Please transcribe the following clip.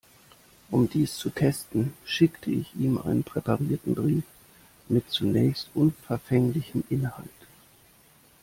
Um dies zu testen, schickte ich ihm einen präparierten Brief mit zunächst unverfänglichem Inhalt.